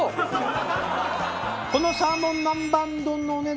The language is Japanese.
このサーモン南蛮丼のお値段は。